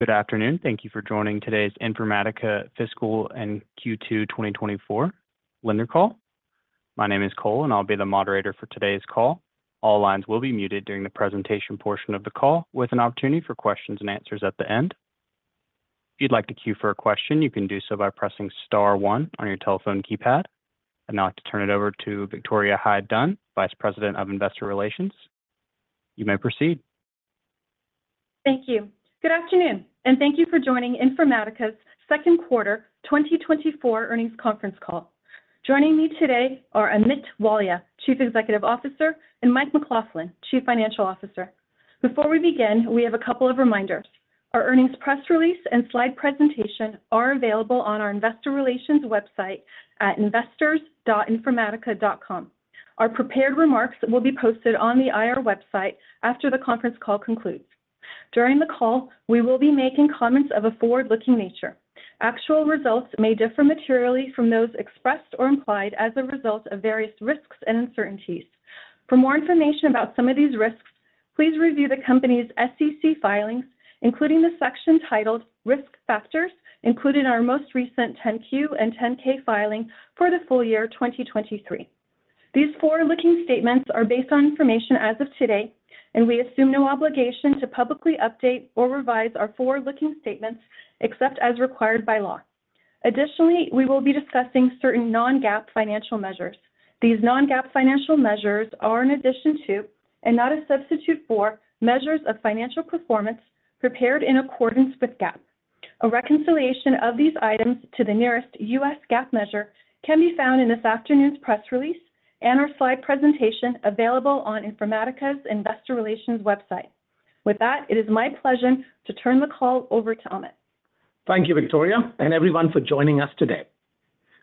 Good afternoon. Thank you for joining today's Informatica Fiscal Q2 2024 Earnings Call. My name is Cole, and I'll be the moderator for today's call. All lines will be muted during the presentation portion of the call, with an opportunity for questions and answers at the end. If you'd like to queue for a question, you can do so by pressing Star 1 on your telephone keypad. I'd now like to turn it over to Victoria Hyde-Dunn, Vice President of Investor Relations. You may proceed. Thank you. Good afternoon, and thank you for joining Informatica's Second Quarter 2024 Earnings Conference Call. Joining me today are Amit Walia, Chief Executive Officer, and Mike McLaughlin, Chief Financial Officer. Before we begin, we have a couple of reminders. Our earnings press release and slide presentation are available on our Investor Relations website at investors.informatica.com. Our prepared remarks will be posted on the IR website after the conference call concludes. During the call, we will be making comments of a forward-looking nature. Actual results may differ materially from those expressed or implied as a result of various risks and uncertainties. For more information about some of these risks, please review the company's SEC filings, including the section titled Risk Factors, included in our most recent 10Q and 10K filing for the full year 2023. These forward-looking statements are based on information as of today, and we assume no obligation to publicly update or revise our forward-looking statements except as required by law. Additionally, we will be discussing certain non-GAAP financial measures. These non-GAAP financial measures are, in addition to, and not a substitute for, measures of financial performance prepared in accordance with GAAP. A reconciliation of these items to the nearest U.S. GAAP measure can be found in this afternoon's press release and our slide presentation available on Informatica's Investor Relations website. With that, it is my pleasure to turn the call over to Amit. Thank you, Victoria, and everyone for joining us today.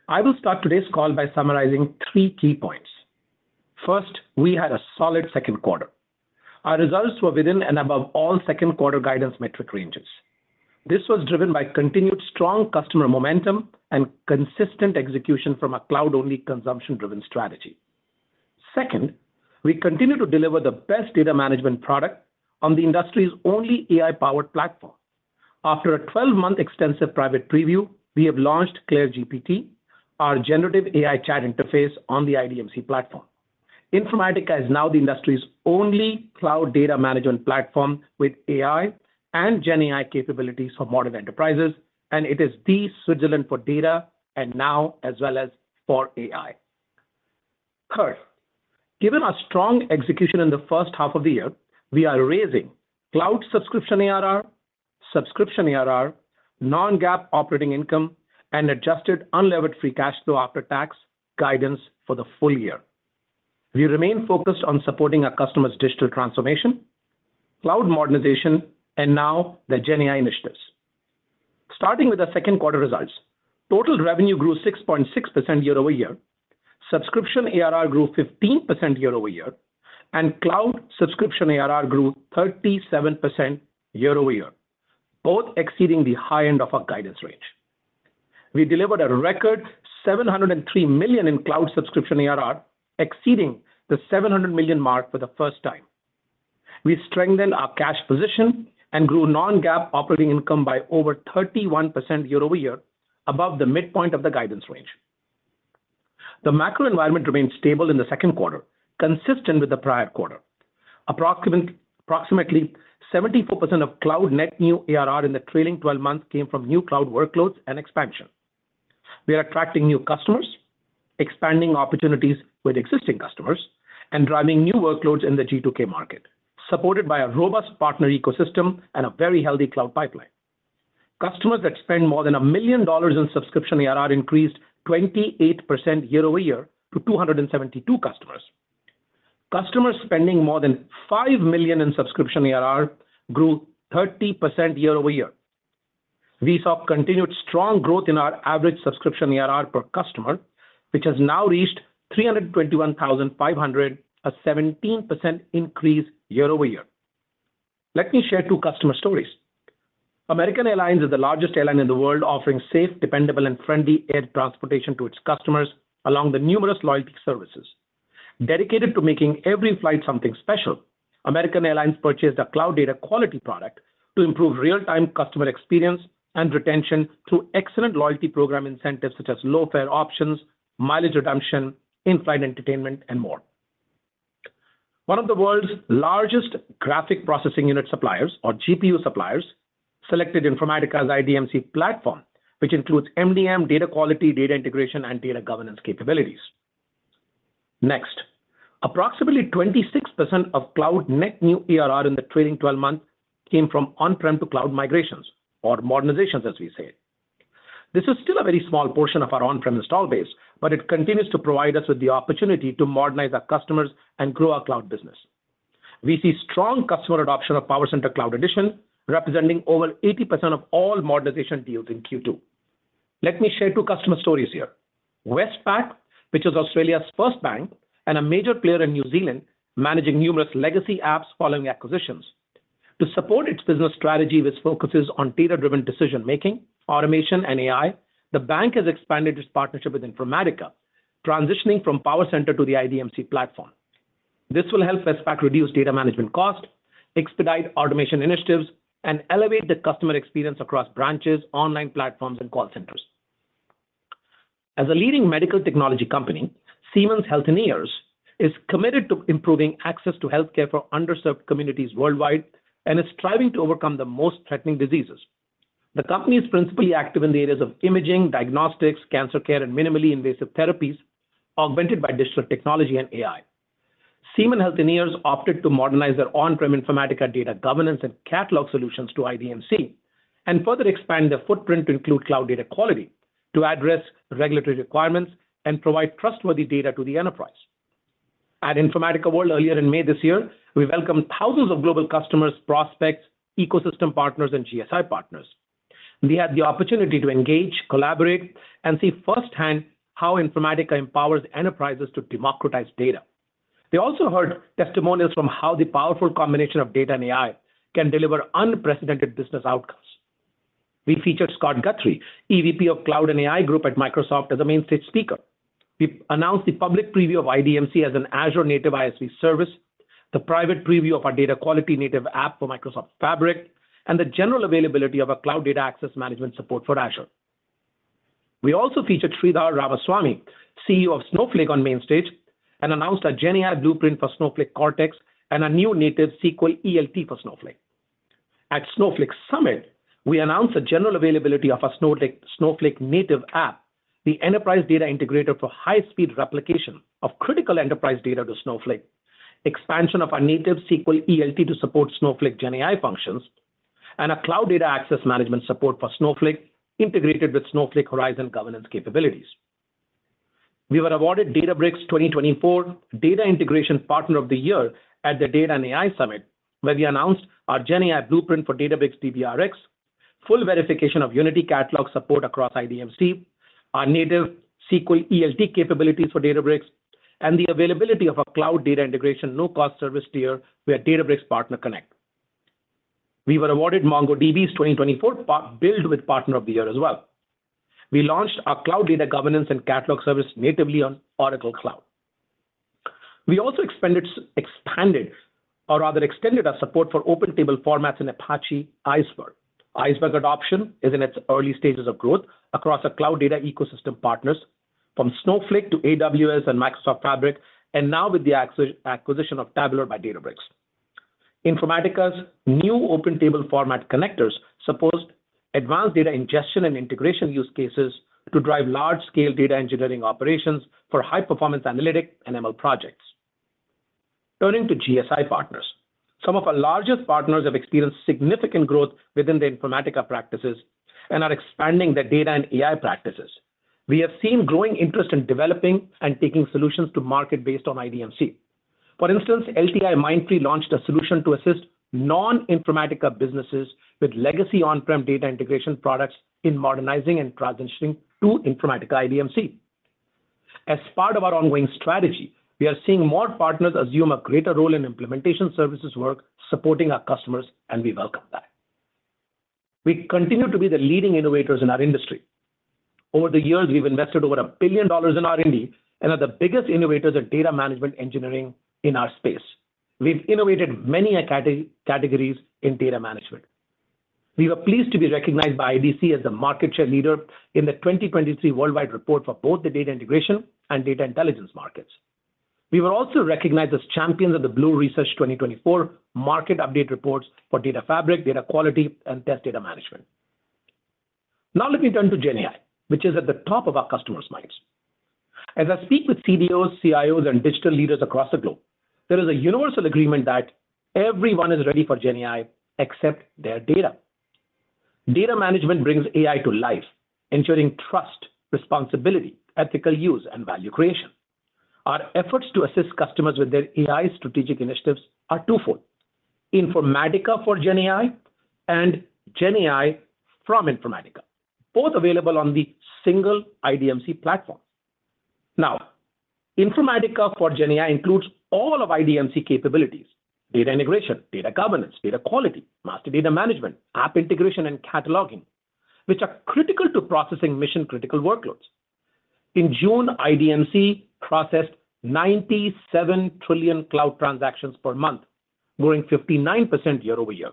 I will start today's call by summarizing three key points. First, we had a solid second quarter. Our results were within and above all second quarter guidance metric ranges. This was driven by continued strong customer momentum and consistent execution from a cloud-only consumption-driven strategy. Second, we continue to deliver the best data management product on the industry's only AI-powered platform. After a 12-month extensive private preview, we have launched CLAIRE GPT, our generative AI chat interface on the IDMC platform. Informatica is now the industry's only cloud data management platform with AI and GenAI capabilities for modern enterprises, and it is the Switzerland for data and now as well as for AI. Third, given our strong execution in the first half of the year, we are raising cloud subscription ARR, subscription ARR, non-GAAP operating income, and adjusted unlevered free cash flow after tax guidance for the full year. We remain focused on supporting our customers' digital transformation, cloud modernization, and now the GenAI initiatives. Starting with the second quarter results, total revenue grew 6.6% year-over-year, subscription ARR grew 15% year-over-year, and cloud subscription ARR grew 37% year-over-year, both exceeding the high end of our guidance range. We delivered a record $703 million in cloud subscription ARR, exceeding the $700 million mark for the first time. We strengthened our cash position and grew non-GAAP operating income by over 31% year-over-year, above the midpoint of the guidance range. The macro environment remained stable in the second quarter, consistent with the prior quarter. Approximately 74% of cloud net new ARR in the trailing 12 months came from new cloud workloads and expansion. We are attracting new customers, expanding opportunities with existing customers, and driving new workloads in the G2K market, supported by a robust partner ecosystem and a very healthy cloud pipeline. Customers that spend more than $1 million in subscription ARR increased 28% year-over-year to 272 customers. Customers spending more than $5 million in subscription ARR grew 30% year-over-year. We saw continued strong growth in our average subscription ARR per customer, which has now reached 321,500, a 17% increase year-over-year. Let me share two customer stories. American Airlines is the largest airline in the world offering safe, dependable, and friendly air transportation to its customers along with numerous loyalty services. Dedicated to making every flight something special, American Airlines purchased a cloud data quality product to improve real-time customer experience and retention through excellent loyalty program incentives such as low fare options, mileage redemption, in-flight entertainment, and more. One of the world's largest graphic processing unit suppliers, or GPU suppliers, selected Informatica's IDMC platform, which includes MDM data quality, data integration, and data governance capabilities. Next, approximately 26% of cloud net new ARR in the trailing 12 months came from on-prem to cloud migrations, or modernizations, as we say. This is still a very small portion of our on-prem install base, but it continues to provide us with the opportunity to modernize our customers and grow our cloud business. We see strong customer adoption of PowerCenter Cloud Edition, representing over 80% of all modernization deals in Q2. Let me share two customer stories here. Westpac, which is Australia's first bank and a major player in New Zealand, managing numerous legacy apps following acquisitions. To support its business strategy with focuses on data-driven decision-making, automation, and AI, the bank has expanded its partnership with Informatica, transitioning from PowerCenter to the IDMC platform. This will help Westpac reduce data management costs, expedite automation initiatives, and elevate the customer experience across branches, online platforms, and call centers. As a leading medical technology company, Siemens Healthineers is committed to improving access to healthcare for underserved communities worldwide and is striving to overcome the most threatening diseases. The company is principally active in the areas of imaging, diagnostics, cancer care, and minimally invasive therapies, augmented by digital technology and AI. Siemens Healthineers opted to modernize their on-prem Informatica data governance and catalog solutions to IDMC and further expand their footprint to include cloud data quality to address regulatory requirements and provide trustworthy data to the enterprise. At Informatica World earlier in May this year, we welcomed thousands of global customers, prospects, ecosystem partners, and GSI partners. They had the opportunity to engage, collaborate, and see firsthand how Informatica empowers enterprises to democratize data. They also heard testimonials on how the powerful combination of data and AI can deliver unprecedented business outcomes. We featured Scott Guthrie, EVP of Cloud and AI Group at Microsoft, as a main stage speaker. We announced the public preview of IDMC as an Azure-native ISV service, the private preview of our data quality native app for Microsoft Fabric, and the general availability of our cloud data access management support for Azure. We also featured Sridhar Ramaswamy, CEO of Snowflake, on main stage and announced a GenAI blueprint for Snowflake Cortex and a new native SQL ELT for Snowflake. At Snowflake Summit, we announced the general availability of a Snowflake native app, the enterprise data integrator for high-speed replication of critical enterprise data to Snowflake, expansion of our native SQL ELT to support Snowflake GenAI functions, and a cloud data access management support for Snowflake integrated with Snowflake Horizon governance capabilities. We were awarded Databricks 2024 Data Integration Partner of the Year at the Data and AI Summit, where we announced our GenAI blueprint for Databricks DBRX, full verification of Unity Catalog support across IDMC, our native SQL ELT capabilities for Databricks, and the availability of a cloud data integration no-cost service tier with Databricks Partner Connect. We were awarded MongoDB's 2024 Build with Partner of the Year as well. We launched our cloud data governance and catalog service natively on Oracle Cloud. We also expanded our support for OpenTable formats in Apache Iceberg. Iceberg adoption is in its early stages of growth across our cloud data ecosystem partners from Snowflake to AWS and Microsoft Fabric, and now with the acquisition of Tabular by Databricks. Informatica's new OpenTable format connectors support advanced data ingestion and integration use cases to drive large-scale data engineering operations for high-performance analytic and ML projects. Turning to GSI partners, some of our largest partners have experienced significant growth within the Informatica practices and are expanding their data and AI practices. We have seen growing interest in developing and taking solutions to market based on IDMC. For instance, LTIMindtree launched a solution to assist non-Informatica businesses with legacy on-prem data integration products in modernizing and transitioning to Informatica IDMC. As part of our ongoing strategy, we are seeing more partners assume a greater role in implementation services work supporting our customers, and we welcome that. We continue to be the leading innovators in our industry. Over the years, we've invested over $1+ billion in R&D and are the biggest innovators in data management engineering in our space. We've innovated many categories in data management. We were pleased to be recognized by IDC as the market share leader in the 2023 worldwide report for both the data integration and data intelligence markets. We were also recognized as champions of the Bloor Research 2024 market update reports for data fabric, data quality, and test data management. Now let me turn to GenAI, which is at the top of our customers' minds. As I speak with CDOs, CIOs, and digital leaders across the globe, there is a universal agreement that everyone is ready for GenAI except their data. Data management brings AI to life, ensuring trust, responsibility, ethical use, and value creation. Our efforts to assist customers with their AI strategic initiatives are twofold: Informatica for GenAI and GenAI from Informatica, both available on the single IDMC platform. Now, Informatica for GenAI includes all of IDMC capabilities: data integration, data governance, data quality, master data management, app integration, and cataloging, which are critical to processing mission-critical workloads. In June, IDMC processed 97 trillion cloud transactions per month, growing 59% year over year.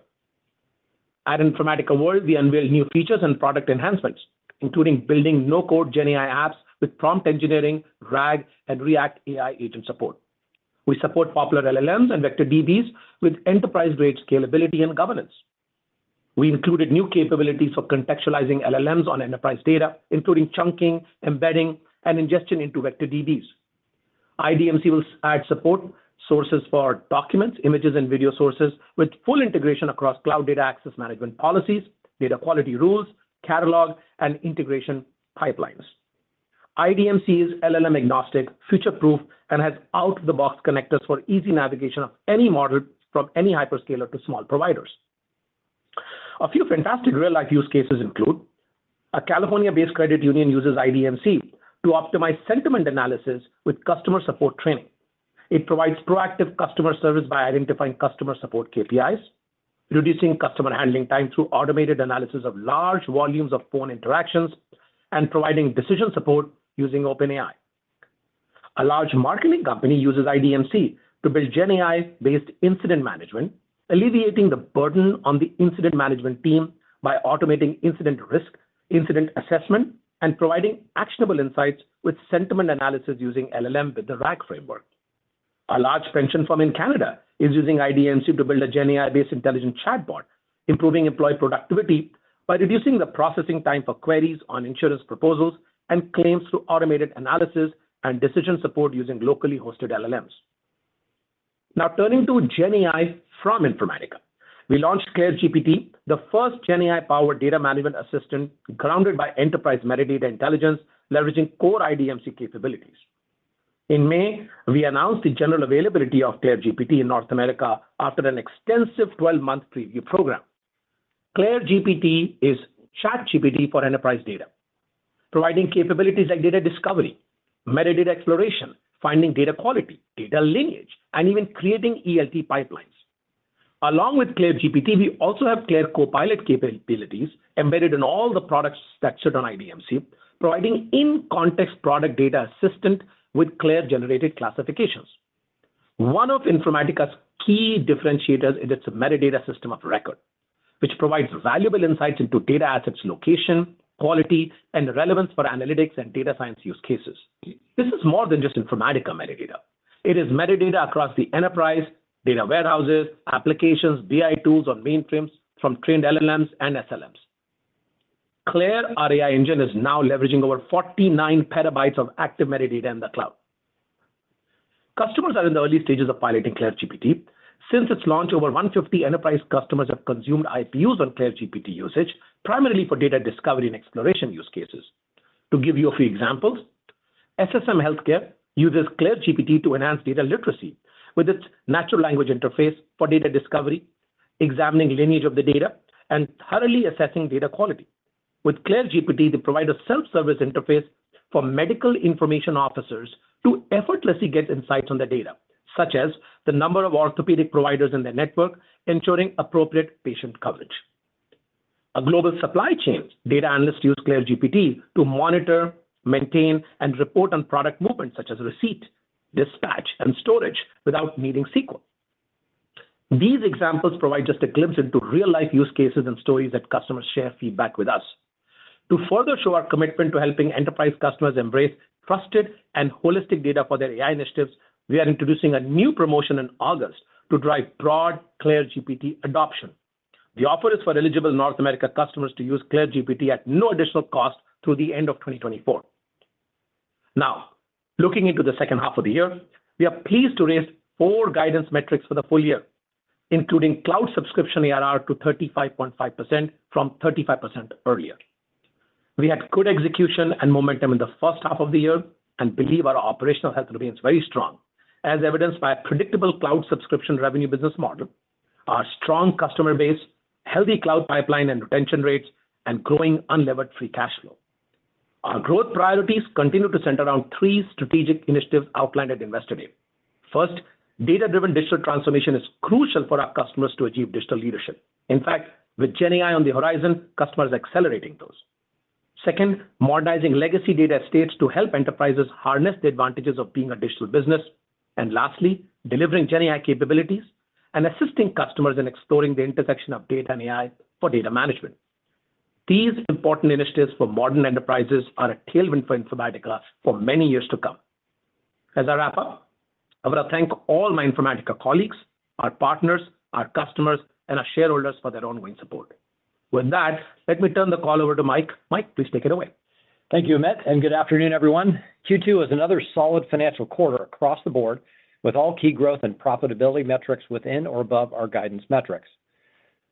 At Informatica World, we unveiled new features and product enhancements, including building no-code GenAI apps with prompt engineering, RAG, and ReAct AI agent support. We support popular LLMs and vector DBs with enterprise-grade scalability and governance. We included new capabilities for contextualizing LLMs on enterprise data, including chunking, embedding, and ingestion into vector DBs. IDMC will add support sources for documents, images, and video sources with full integration across cloud data access management policies, data quality rules, catalog, and integration pipelines. IDMC is LLM-agnostic, future-proof, and has out-of-the-box connectors for easy navigation of any model from any hyperscaler to small providers. A few fantastic real-life use cases include: a California-based credit union uses IDMC to optimize sentiment analysis with customer support training. It provides proactive customer service by identifying customer support KPIs, reducing customer handling time through automated analysis of large volumes of phone interactions, and providing decision support using OpenAI. A large marketing company uses IDMC to build GenAI-based incident management, alleviating the burden on the incident management team by automating incident risk, incident assessment, and providing actionable insights with sentiment analysis using LLM with the RAG framework. A large pension firm in Canada is using IDMC to build a GenAI-based intelligent chatbot, improving employee productivity by reducing the processing time for queries on insurance proposals and claims through automated analysis and decision support using locally hosted LLMs. Now turning to GenAI from Informatica, we launched CLAIRE GPT, the first GenAI-powered data management assistant grounded by enterprise metadata intelligence, leveraging core IDMC capabilities. In May, we announced the general availability of CLAIRE GPT in North America after an extensive 12-month preview program. CLAIRE GPT is ChatGPT for enterprise data, providing capabilities like data discovery, metadata exploration, finding data quality, data lineage, and even creating ELT pipelines. Along with CLAIRE GPT, we also have CLAIRE Copilot capabilities embedded in all the products structured on IDMC, providing in-context product data assistant with CLAIRE-generated classifications. One of Informatica's key differentiators is its metadata system of record, which provides valuable insights into data assets' location, quality, and relevance for analytics and data science use cases. This is more than just Informatica metadata. It is metadata across the enterprise, data warehouses, applications, BI tools, or mainframes from trained LLMs and SLMs. CLAIRE AI Engine is now leveraging over 49 PB of active metadata in the cloud. Customers are in the early stages of piloting CLAIRE GPT. Since its launch, over 150 enterprise customers have consumed IPUs on CLAIRE GPT usage, primarily for data discovery and exploration use cases. To give you a few examples, SSM Health uses CLAIRE GPT to enhance data literacy with its natural language interface for data discovery, examining lineage of the data, and thoroughly assessing data quality. With CLAIRE GPT, the provider self-service interface for medical information officers to effortlessly get insights on the data, such as the number of orthopedic providers in their network, ensuring appropriate patient coverage. A global supply chain data analysts use CLAIRE GPT to monitor, maintain, and report on product movements, such as receipt, dispatch, and storage, without needing SQL. These examples provide just a glimpse into real-life use cases and stories that customers share feedback with us. To further show our commitment to helping enterprise customers embrace trusted and holistic data for their AI initiatives, we are introducing a new promotion in August to drive broad CLAIRE GPT adoption. The offer is for eligible North America customers to use CLAIRE GPT at no additional cost through the end of 2024. Now, looking into the second half of the year, we are pleased to raise four guidance metrics for the full year, including cloud subscription ARR to 35.5% from 35% earlier. We had good execution and momentum in the first half of the year and believe our operational health remains very strong, as evidenced by a predictable cloud subscription revenue business model, our strong customer base, healthy cloud pipeline and retention rates, and growing unlevered free cash flow. Our growth priorities continue to center around three strategic initiatives outlined at Investor Day. First, data-driven digital transformation is crucial for our customers to achieve digital leadership. In fact, with GenAI on the horizon, customers are accelerating those. Second, modernizing legacy data estates to help enterprises harness the advantages of being a digital business. And lastly, delivering GenAI capabilities and assisting customers in exploring the intersection of data and AI for data management. These important initiatives for modern enterprises are a tailwind for Informatica for many years to come. As I wrap up, I want to thank all my Informatica colleagues, our partners, our customers, and our shareholders for their ongoing support. With that, let me turn the call over to Mike. Mike, please take it away. Thank you, Amit, and good afternoon, everyone. Q2 was another solid financial quarter across the board with all key growth and profitability metrics within or above our guidance metrics.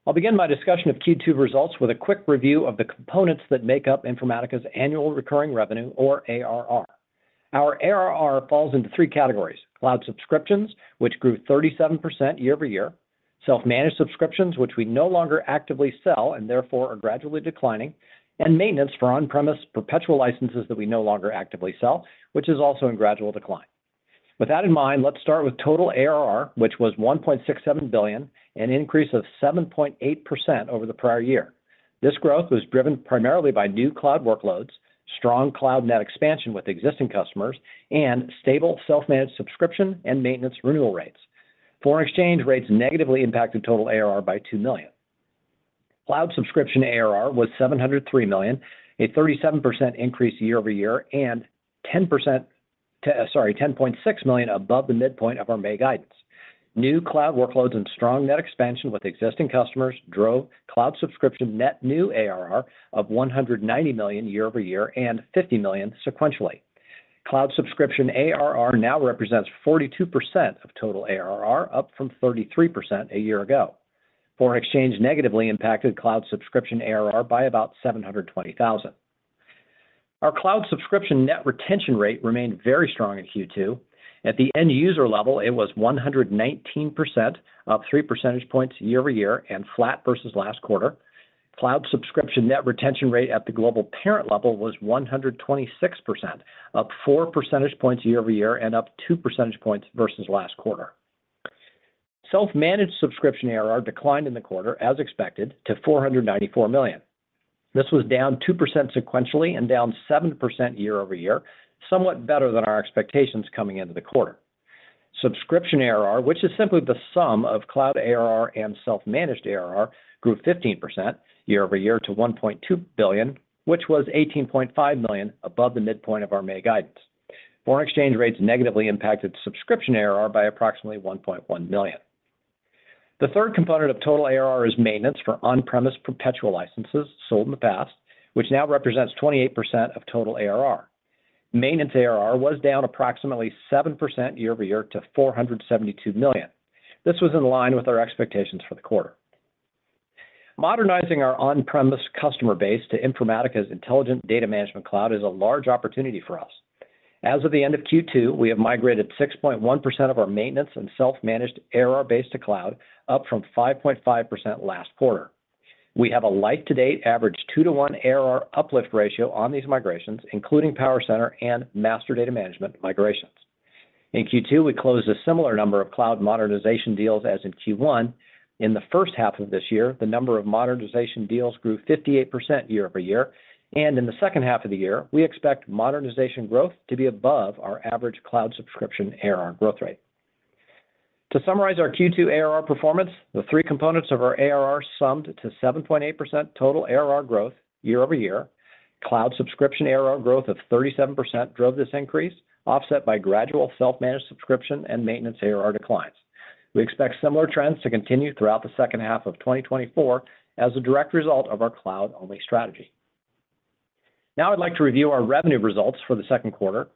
I'll begin my discussion of Q2 results with a quick review of the components that make up Informatica's annual recurring revenue, or ARR. Our ARR falls into three categories: cloud subscriptions, which grew 37% year-over-year. Self-managed subscriptions, which we no longer actively sell and therefore are gradually declining. And maintenance for on-premise perpetual licenses that we no longer actively sell, which is also in gradual decline. With that in mind, let's start with total ARR, which was $1.67 billion, an increase of 7.8% over the prior year. This growth was driven primarily by new cloud workloads, strong cloud net expansion with existing customers, and stable self-managed subscription and maintenance renewal rates. Foreign exchange rates negatively impacted total ARR by $2 million. Cloud subscription ARR was $703 million, a 37% increase year-over-year and $10.6 million above the midpoint of our May guidance. New cloud workloads and strong net expansion with existing customers drove cloud subscription net new ARR of $190 million year-over-year and $50 million sequentially. Cloud subscription ARR now represents 42% of total ARR, up from 33% a year ago. Foreign exchange negatively impacted cloud subscription ARR by about $720,000. Our cloud subscription net retention rate remained very strong in Q2. At the end user level, it was 119%, up 3 percentage points year-over-year and flat versus last quarter. Cloud subscription net retention rate at the global parent level was 126%, up 4 percentage points year-over-year and up 2 percentage points versus last quarter. Self-managed subscription ARR declined in the quarter, as expected, to $494 million. This was down 2% sequentially and down 7% year-over-year, somewhat better than our expectations coming into the quarter. Subscription ARR, which is simply the sum of cloud ARR and self-managed ARR, grew 15% year-over-year to $1.2 billion, which was $18.5 million above the midpoint of our May guidance. Foreign exchange rates negatively impacted subscription ARR by approximately $1.1 million. The third component of total ARR is maintenance for on-premise perpetual licenses sold in the past, which now represents 28% of total ARR. Maintenance ARR was down approximately 7% year-over-year to $472 million. This was in line with our expectations for the quarter. Modernizing our on-premise customer base to Informatica's Intelligent Data Management Cloud is a large opportunity for us. As of the end of Q2, we have migrated 6.1% of our maintenance and self-managed ARR base to cloud, up from 5.5% last quarter. We have a life-to-date average 2:1 ARR uplift ratio on these migrations, including PowerCenter and Master Data Management migrations. In Q2, we closed a similar number of cloud modernization deals as in Q1. In the first half of this year, the number of modernization deals grew 58% year-over-year. In the second half of the year, we expect modernization growth to be above our average cloud subscription ARR growth rate. To summarize our Q2 ARR performance, the three components of our ARR summed to 7.8% total ARR growth year over year. Cloud subscription ARR growth of 37% drove this increase, offset by gradual self-managed subscription and maintenance ARR declines. We expect similar trends to continue throughout the second half of 2024 as a direct result of our cloud-only strategy. Now I'd like to review our revenue results for the second quarter.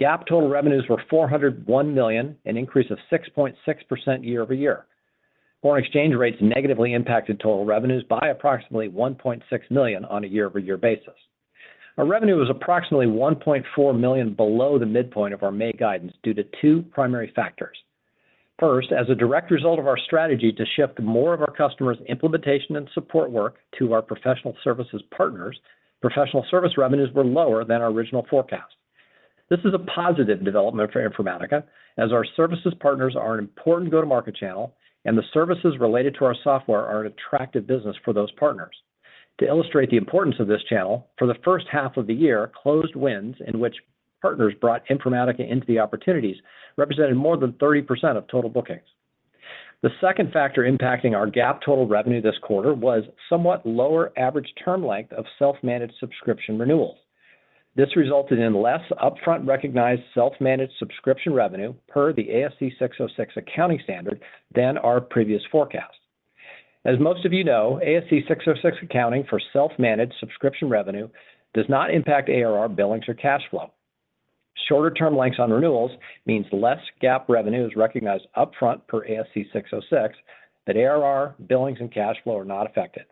GAAP total revenues were $401 million, an increase of 6.6% year over year. Foreign exchange rates negatively impacted total revenues by approximately $1.6 million on a year-over-year basis. Our revenue was approximately $1.4 million below the midpoint of our May guidance due to two primary factors. First, as a direct result of our strategy to shift more of our customers' implementation and support work to our professional services partners, professional service revenues were lower than our original forecast. This is a positive development for Informatica, as our services partners are an important go-to-market channel, and the services related to our software are an attractive business for those partners. To illustrate the importance of this channel, for the first half of the year, closed wins in which partners brought Informatica into the opportunities represented more than 30% of total bookings. The second factor impacting our GAAP total revenue this quarter was somewhat lower average term length of self-managed subscription renewals. This resulted in less upfront recognized self-managed subscription revenue per the ASC 606 accounting standard than our previous forecast. As most of you know, ASC 606 accounting for self-managed subscription revenue does not impact ARR, billings, or cash flow. Shorter term lengths on renewals means less gap revenue is recognized upfront per ASC 606, but ARR, billings, and cash flow are not affected.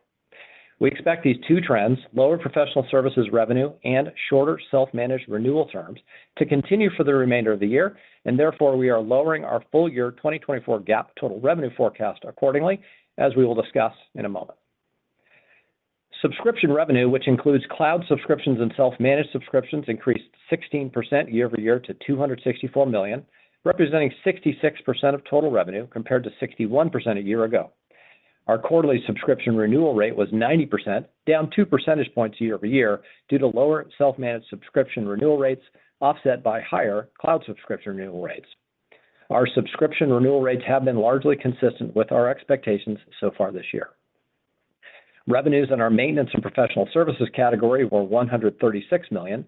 We expect these two trends, lower professional services revenue and shorter self-managed renewal terms, to continue for the remainder of the year, and therefore we are lowering our full year 2024 GAAP total revenue forecast accordingly, as we will discuss in a moment. Subscription revenue, which includes cloud subscriptions and self-managed subscriptions, increased 16% year-over-year to $264 million, representing 66% of total revenue compared to 61% a year ago. Our quarterly subscription renewal rate was 90%, down 2 percentage points year-over-year due to lower self-managed subscription renewal rates offset by higher cloud subscription renewal rates. Our subscription renewal rates have been largely consistent with our expectations so far this year. Revenues in our maintenance and professional services category were $136 million.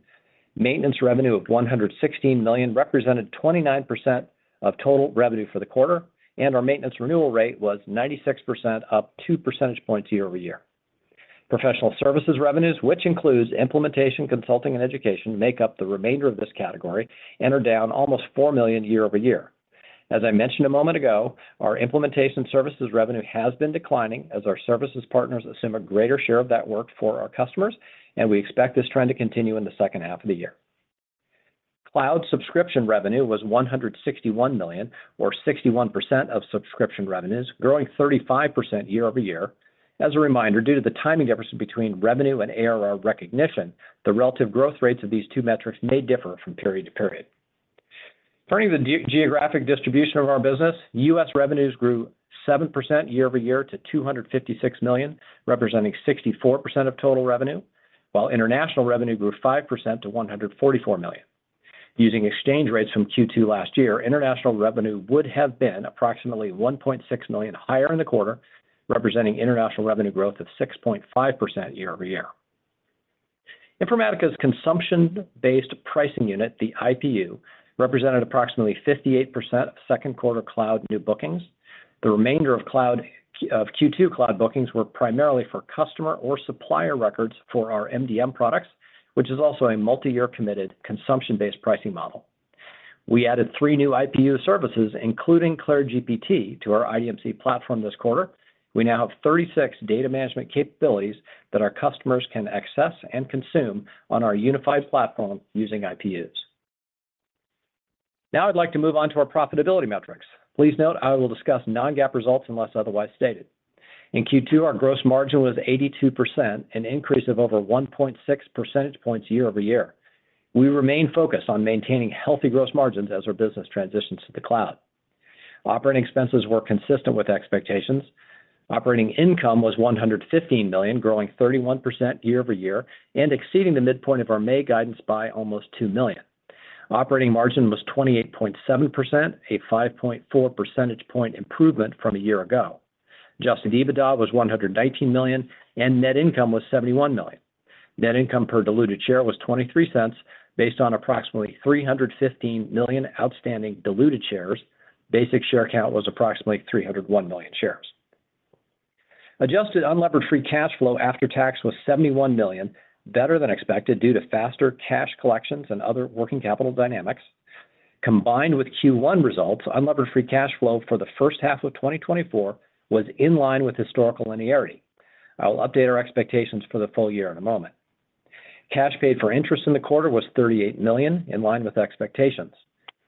Maintenance revenue of $116 million represented 29% of total revenue for the quarter, and our maintenance renewal rate was 96%, up 2 percentage points year-over-year. Professional services revenues, which includes implementation, consulting, and education, make up the remainder of this category and are down almost $4 million year-over-year. As I mentioned a moment ago, our implementation services revenue has been declining as our services partners assume a greater share of that work for our customers, and we expect this trend to continue in the second half of the year. Cloud subscription revenue was $161 million, or 61% of subscription revenues, growing 35% year-over-year. As a reminder, due to the timing difference between revenue and ARR recognition, the relative growth rates of these two metrics may differ from period to period. Turning to the geographic distribution of our business, U.S. revenues grew 7% year-over-year to $256 million, representing 64% of total revenue, while international revenue grew 5% to $144 million. Using exchange rates from Q2 last year, international revenue would have been approximately $1.6 million higher in the quarter, representing international revenue growth of 6.5% year-over-year. Informatica's consumption-based pricing unit, the IPU, represented approximately 58% of second quarter cloud new bookings. The remainder of Q2 cloud bookings were primarily for customer or supplier records for our MDM products, which is also a multi-year committed consumption-based pricing model. We added three new IPU services, including CLAIRE GPT, to our IDMC platform this quarter. We now have 36 data management capabilities that our customers can access and consume on our unified platform using IPUs. Now I'd like to move on to our profitability metrics. Please note I will discuss non-GAAP results unless otherwise stated. In Q2, our gross margin was 82%, an increase of over 1.6 percentage points year-over-year. We remain focused on maintaining healthy gross margins as our business transitions to the cloud. Operating expenses were consistent with expectations. Operating income was $115 million, growing 31% year-over-year and exceeding the midpoint of our May guidance by almost $2 million. Operating margin was 28.7%, a 5.4 percentage point improvement from a year ago. Adjusted EBITDA was $119 million, and net income was $71 million. Net income per diluted share was $0.23 based on approximately 315 million outstanding diluted shares. Basic share count was approximately 301 million shares. Adjusted Unlevered Free Cash Flow after tax was $71 million, better than expected due to faster cash collections and other working capital dynamics. Combined with Q1 results, unlevered free cash flow for the first half of 2024 was in line with historical linearity. I'll update our expectations for the full year in a moment. Cash paid for interest in the quarter was $38 million, in line with expectations.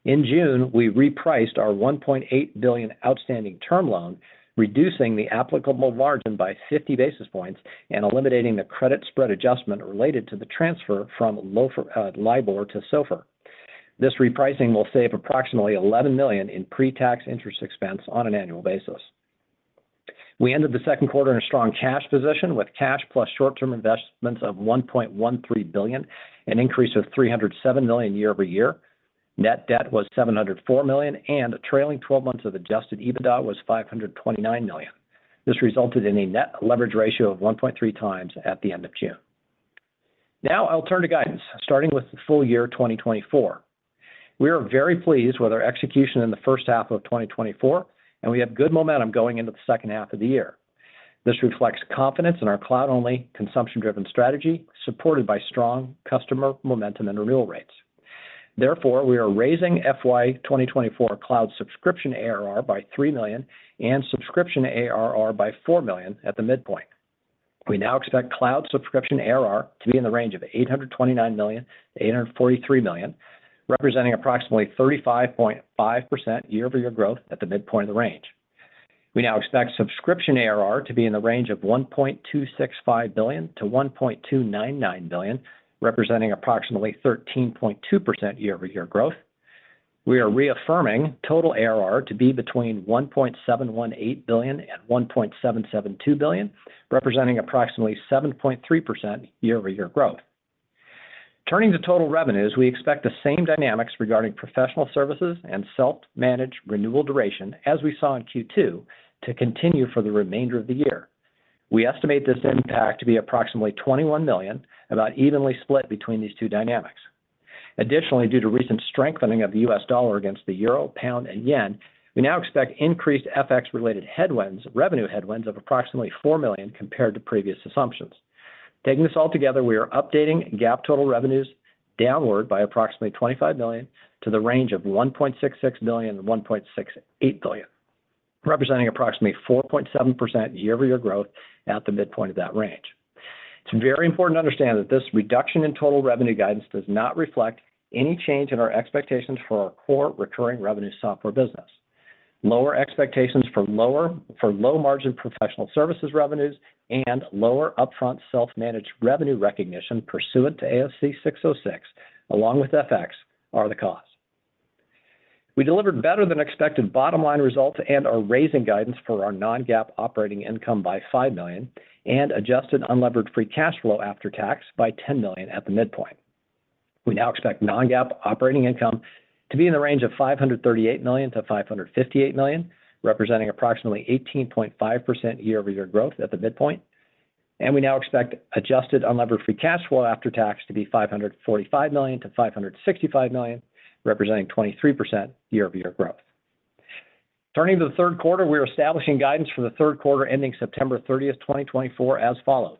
In June, we repriced our $1.8 billion outstanding term loan, reducing the applicable margin by 50 basis points and eliminating the credit spread adjustment related to the transfer from LIBOR to SOFR. This repricing will save approximately $11 million in pre-tax interest expense on an annual basis. We ended the second quarter in a strong cash position with cash plus short-term investments of $1.13 billion, an increase of $307 million year-over-year. Net debt was $704 million, and trailing 12 months of adjusted EBITDA was $529 million. This resulted in a net leverage ratio of 1.3 times at the end of June. Now I'll turn to guidance, starting with the full year 2024. We are very pleased with our execution in the first half of 2024, and we have good momentum going into the second half of the year. This reflects confidence in our cloud-only consumption-driven strategy, supported by strong customer momentum and renewal rates. Therefore, we are raising FY 2024 cloud subscription ARR by $3 million and subscription ARR by $4 million at the midpoint. We now expect cloud subscription ARR to be in the range of $829 million-$843 million, representing approximately 35.5% year-over-year growth at the midpoint of the range. We now expect subscription ARR to be in the range of $1.265 billion-$1.299 billion, representing approximately 13.2% year-over-year growth. We are reaffirming total ARR to be between $1.718 billion-$1.772 billion, representing approximately 7.3% year-over-year growth. Turning to total revenues, we expect the same dynamics regarding professional services and self-managed renewal duration, as we saw in Q2, to continue for the remainder of the year. We estimate this impact to be approximately $21 million, about evenly split between these two dynamics. Additionally, due to recent strengthening of the U.S. dollar against the euro, pound, and yen, we now expect increased FX-related headwinds, revenue headwinds of approximately $4 million compared to previous assumptions. Taking this all together, we are updating GAAP total revenues downward by approximately $25 million to the range of $1.66 billion-$1.68 billion, representing approximately 4.7% year-over-year growth at the midpoint of that range. It's very important to understand that this reduction in total revenue guidance does not reflect any change in our expectations for our core recurring revenue software business. Lower expectations for low-margin professional services revenues and lower upfront self-managed revenue recognition pursuant to ASC 606, along with FX, are the cause. We delivered better than expected bottom-line results and are raising guidance for our non-GAAP operating income by $5 million and adjusted unlevered free cash flow after tax by $10 million at the midpoint. We now expect non-GAAP operating income to be in the range of $538 million-$558 million, representing approximately 18.5% year-over-year growth at the midpoint. We now expect adjusted unlevered free cash flow after tax to be $545 million-$565 million, representing 23% year-over-year growth. Turning to the third quarter, we are establishing guidance for the third quarter ending September 30, 2024, as follows.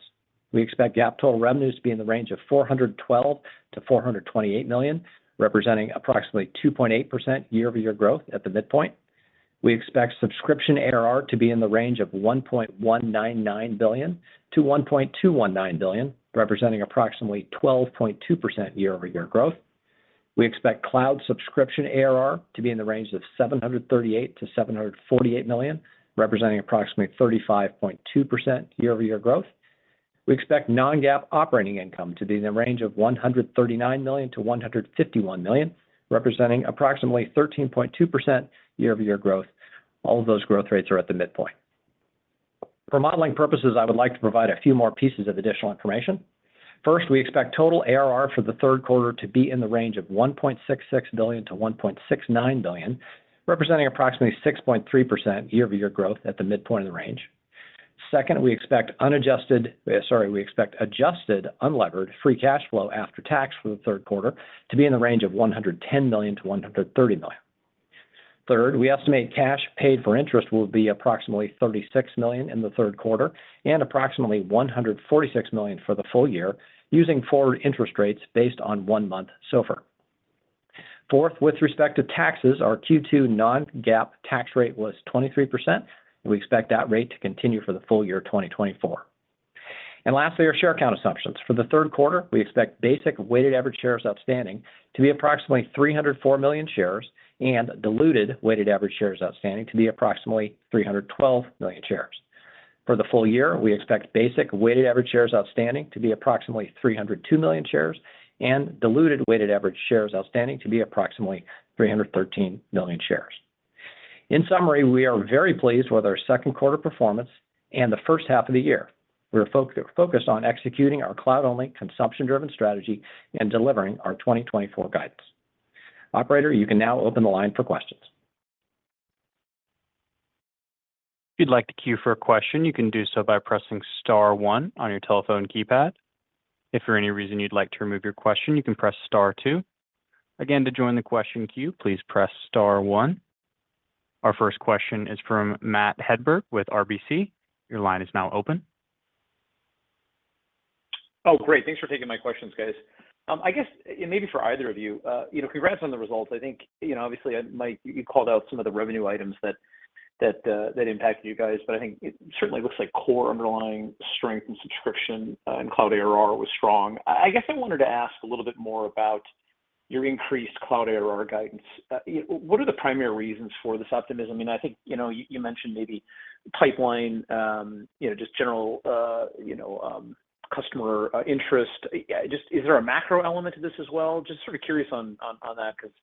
We expect GAAP total revenues to be in the range of $412 million-$428 million, representing approximately 2.8% year-over-year growth at the midpoint. We expect subscription ARR to be in the range of $1.199 billion-$1.219 billion, representing approximately 12.2% year-over-year growth. We expect cloud subscription ARR to be in the range of $738 million-$748 million, representing approximately 35.2% year-over-year growth. We expect non-GAAP operating income to be in the range of $139 million-$151 million, representing approximately 13.2% year-over-year growth. All of those growth rates are at the midpoint. For modeling purposes, I would like to provide a few more pieces of additional information. First, we expect total ARR for the third quarter to be in the range of $1.66 billion-$1.69 billion, representing approximately 6.3% year-over-year growth at the midpoint of the range. Second, we expect adjusted unlevered free cash flow after tax for the third quarter to be in the range of $110 million-$130 million. Third, we estimate cash paid for interest will be approximately $36 million in the third quarter and approximately $146 million for the full year, using forward interest rates based on one-month SOFR. Fourth, with respect to taxes, our Q2 non-GAAP tax rate was 23%, and we expect that rate to continue for the full year 2024. Lastly, our share count assumptions. For the third quarter, we expect basic weighted average shares outstanding to be approximately 304 million shares and diluted weighted average shares outstanding to be approximately 312 million shares. For the full year, we expect basic weighted average shares outstanding to be approximately 302 million shares and diluted weighted average shares outstanding to be approximately 313 million shares. In summary, we are very pleased with our second quarter performance and the first half of the year. We are focused on executing our cloud-only consumption-driven strategy and delivering our 2024 guidance. Operator, you can now open the line for questions. If you'd like to queue for a question, you can do so by pressing Star 1 on your telephone keypad. If for any reason you'd like to remove your question, you can press Star 2. Again, to join the question queue, please press Star 1. Our first question is from Matt Hedberg with RBC. Your line is now open. Oh, great. Thanks for taking my questions, guys. I guess, and maybe for either of you, congrats on the results. I think, obviously, you called out some of the revenue items that impacted you guys, but I think it certainly looks like core underlying strength and subscription and cloud ARR was strong. I guess I wanted to ask a little bit more about your increased cloud ARR guidance. What are the primary reasons for this optimism? And I think you mentioned maybe pipeline, just general customer interest. Is there a macro element to this as well? Just sort of curious on that because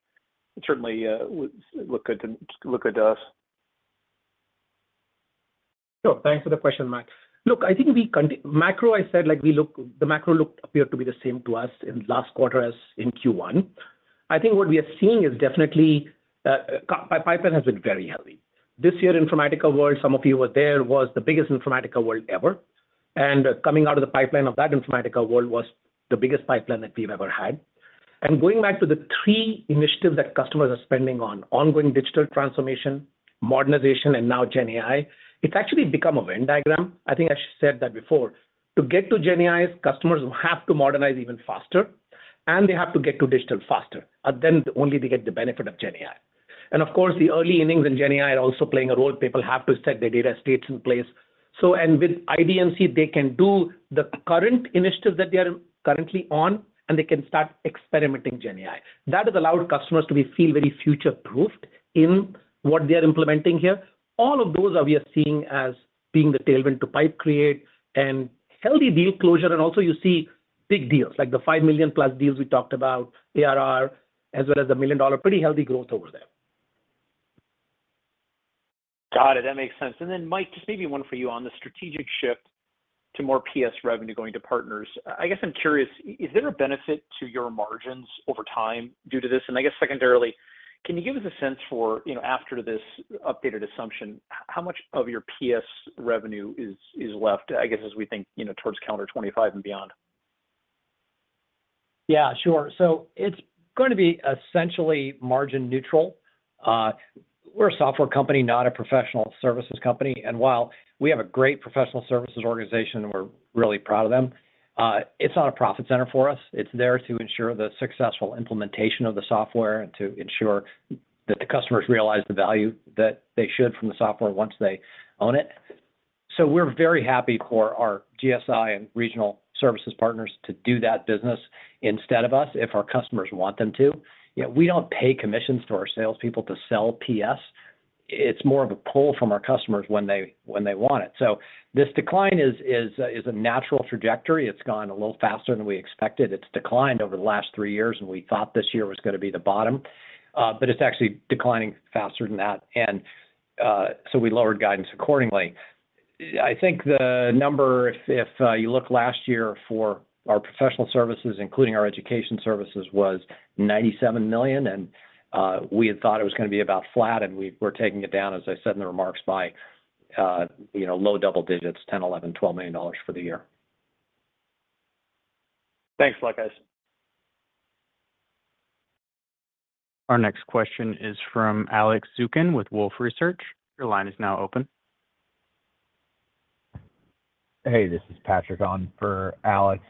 it certainly looked good to us. Sure. Thanks for the question, Matt. Look, I think the macro, I said, the macro appeared to be the same to us in the last quarter as in Q1. I think what we are seeing is definitely pipeline has been very heavy. This year, Informatica World, some of you were there, was the biggest Informatica World ever. Coming out of the pipeline of that Informatica World was the biggest pipeline that we've ever had. Going back to the three initiatives that customers are spending on, ongoing digital transformation, modernization, and now GenAI, it's actually become a Venn diagram. I think I said that before. To get to GenAI, customers have to modernize even faster, and they have to get to digital faster. Then only they get the benefit of GenAI. And of course, the early innings in GenAI are also playing a role. People have to set their data estate in place. With IDMC, they can do the current initiatives that they are currently on, and they can start experimenting GenAI. That has allowed customers to feel very future-proofed in what they are implementing here. All of those we are seeing as being the tailwind to pipeline creation and healthy deal closure. Also, you see big deals like the $5 million-plus deals we talked about, ARR, as well as the $1 million-dollar, pretty healthy growth over there. Got it. That makes sense. Then, Mike, just maybe one for you on the strategic shift to more PS revenue going to partners. I guess I'm curious, is there a benefit to your margins over time due to this? And I guess secondarily, can you give us a sense for, after this updated assumption, how much of your PS revenue is left, I guess, as we think towards calendar 2025 and beyond? Yeah, sure. So it's going to be essentially margin neutral. We're a software company, not a professional services company. And while we have a great professional services organization, we're really proud of them, it's not a profit center for us. It's there to ensure the successful implementation of the software and to ensure that the customers realize the value that they should from the software once they own it. So we're very happy for our GSI and regional services partners to do that business instead of us if our customers want them to. We don't pay commissions to our salespeople to sell PS. It's more of a pull from our customers when they want it. So this decline is a natural trajectory. It's gone a little faster than we expected. It's declined over the last three years, and we thought this year was going to be the bottom, but it's actually declining faster than that. So we lowered guidance accordingly. I think the number, if you look last year for our professional services, including our education services, was $97 million, and we had thought it was going to be about flat, and we were taking it down, as I said in the remarks, by low double digits, $10-$12 million for the year. Thanks, Lucas. Our next question is from Alex Zukin with Wolfe Research. Your line is now open. Hey, this is Patrick on for Alex.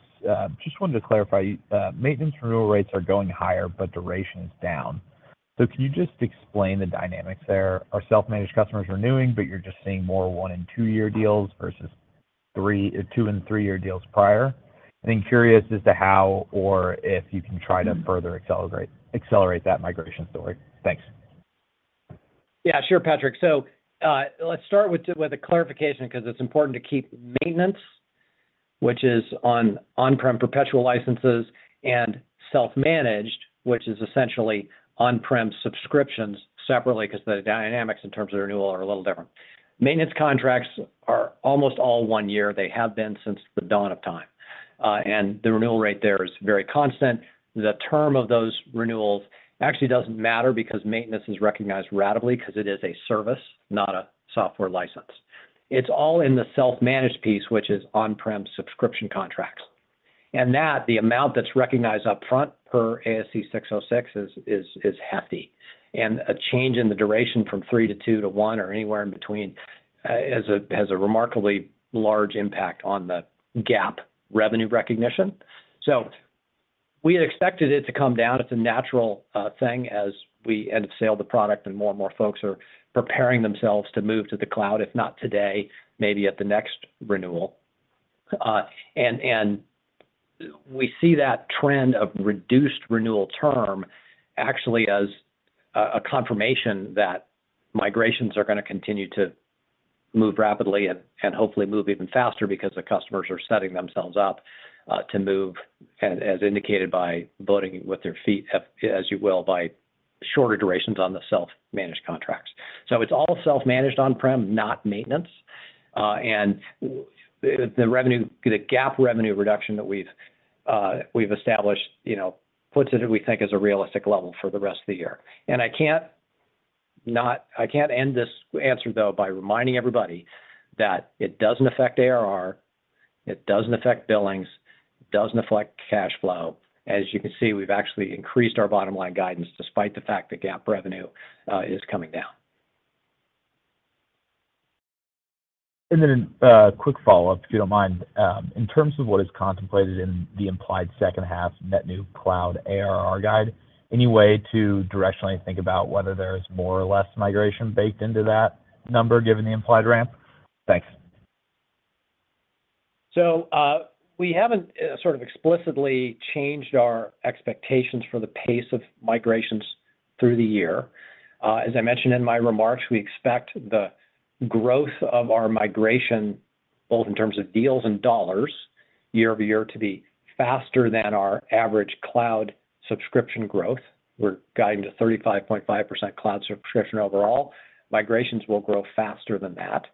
Just wanted to clarify. Maintenance renewal rates are going higher, but duration is down. So can you just explain the dynamics there? Our self-managed customers are renewing, but you're just seeing more one- and two-year deals versus two- and three-year deals prior. And I'm curious as to how or if you can try to further accelerate that migration story. Thanks. Yeah, sure, Patrick. So let's start with a clarification because it's important to keep maintenance, which is on-prem perpetual licenses, and self-managed, which is essentially on-prem subscriptions, separately because the dynamics in terms of renewal are a little different. Maintenance contracts are almost all one year. They have been since the dawn of time. And the renewal rate there is very constant. The term of those renewals actually doesn't matter because maintenance is recognized ratably because it is a service, not a software license. It's all in the self-managed piece, which is on-prem subscription contracts. And that, the amount that's recognized upfront per ASC 606, is hefty. And a change in the duration from three to two to one or anywhere in between has a remarkably large impact on the GAAP revenue recognition. So we had expected it to come down. It's a natural thing as we end up selling the product, and more and more folks are preparing themselves to move to the cloud, if not today, maybe at the next renewal. And we see that trend of reduced renewal term actually as a confirmation that migrations are going to continue to move rapidly and hopefully move even faster because the customers are setting themselves up to move, as indicated by voting with their feet, as you will, by shorter durations on the self-managed contracts. So it's all self-managed on-prem, not maintenance. And the GAAP revenue reduction that we've established puts it, we think, as a realistic level for the rest of the year. And I can't end this answer, though, by reminding everybody that it doesn't affect ARR. It doesn't affect billings. It doesn't affect cash flow. As you can see, we've actually increased our bottom-line guidance despite the fact that GAAP revenue is coming down. Then a quick follow-up, if you don't mind. In terms of what is contemplated in the implied second half net new cloud ARR guide, any way to directionally think about whether there is more or less migration baked into that number given the implied ramp? Thanks. So we haven't sort of explicitly changed our expectations for the pace of migrations through the year. As I mentioned in my remarks, we expect the growth of our migration, both in terms of deals and dollars, year over year to be faster than our average cloud subscription growth. We're guiding to 35.5% cloud subscription overall. Migrations will grow faster than that,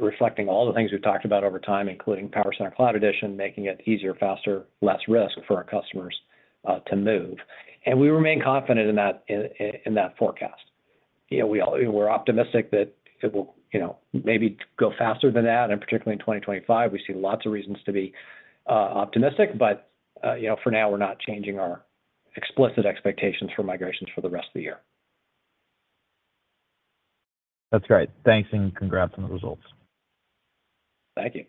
reflecting all the things we've talked about over time, including PowerCenter Cloud Edition, making it easier, faster, less risk for our customers to move. And we remain confident in that forecast. We're optimistic that it will maybe go faster than that, and particularly in 2025, we see lots of reasons to be optimistic. But for now, we're not changing our explicit expectations for migrations for the rest of the year. That's great. Thanks, and congrats on the results. Thank you.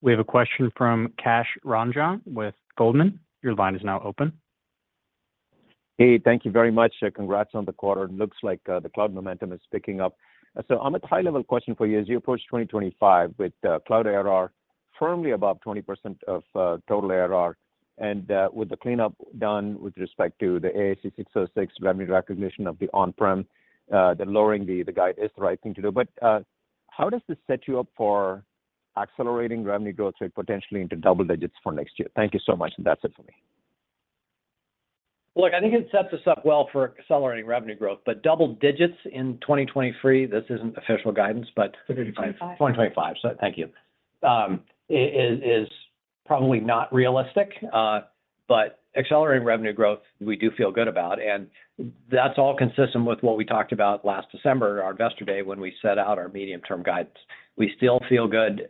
We have a question from Kash Rangan with Goldman. Your line is now open. Hey, thank you very much. Congrats on the quarter. It looks like the cloud momentum is picking up. So I'm a high-level question for you. As you approach 2025 with cloud ARR firmly above 20% of total ARR and with the cleanup done with respect to the ASC 606 revenue recognition of the on-prem, lowering the guide is the right thing to do. But how does this set you up for accelerating revenue growth potentially into double digits for next year? Thank you so much. And that's it for me. Look, I think it sets us up well for accelerating revenue growth, but double digits in 2023, this isn't official guidance, but 2025. 2025. So thank you. It is probably not realistic, but accelerating revenue growth, we do feel good about. And that's all consistent with what we talked about last December, our investor day, when we set out our medium-term guidance. We still feel good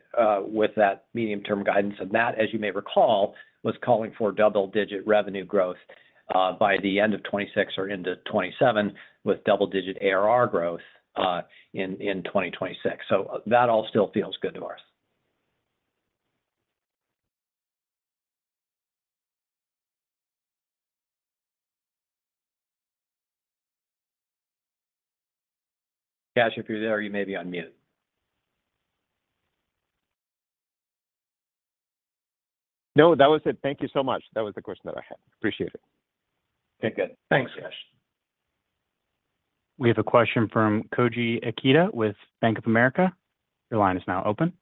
with that medium-term guidance. That, as you may recall, was calling for double-digit revenue growth by the end of 2026 or into 2027 with double-digit ARR growth in 2026. So that all still feels good to us. Kash, if you're there, you may be on mute. No, that was it. Thank you so much. That was the question that I had. Appreciate it. Okay, good. Thanks, Kash. We have a question from Koji Ikeda with Bank of America. Your line is now open.